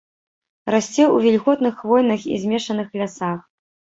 Расце ў вільготных хвойных і змешаных лясах.